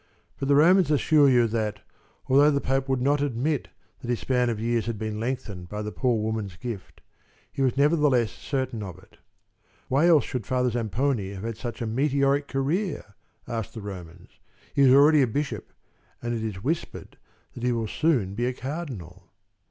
But the Romans assure you that, although the Pope would not admit that his span of years had been lengthened by the poor woman's gift, he was nevertheless certain of it. "Why else should Father Zamponi have had such a meteoric career?" asked the Romans. "He is already a bishop and it is whispered that he will soon be a Cardinal."